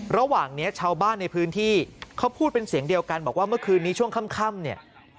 ระหว่างนี้ชาวบ้านในพื้นที่เขาพูดเป็นเสียงเดียวกันบอกว่าเมื่อคืนนี้ช่วงค่ำเนี่ย